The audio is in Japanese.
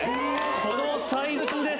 このサイズ感です！